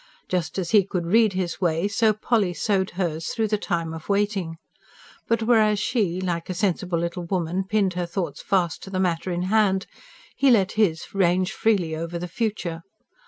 Just as he could read his way, so Polly sewed hers, through the time of waiting. But whereas she, like a sensible little woman, pinned her thoughts fast to the matter in hand, he let his range freely over the future.